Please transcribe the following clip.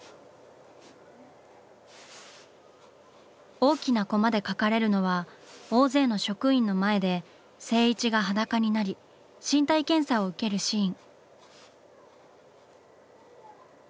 大きなコマで描かれるのは大勢の職員の前で静一が裸になり身体検査を受けるシーン。